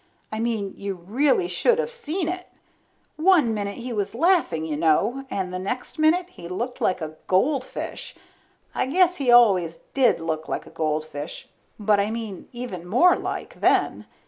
I mean you really should of seen it. One minute he was laughing you know, and the next minute he looked like a goldfish. I guess he always did look like a goldfish, but I mean even more like, then.